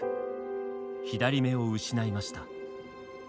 左目を失いました。